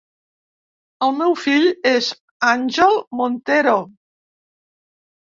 El meu fill és Angel Montero.